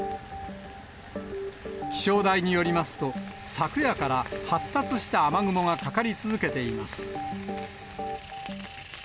気象台によりますと、昨夜から発達した雨雲がかかり続けています。